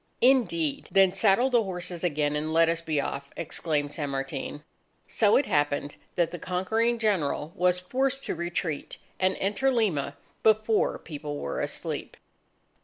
"Indeed! Then saddle the horses again, and let us be off!" exclaimed San Martin. So it happened that the conquering General was forced to retreat, and enter Lima before people were asleep.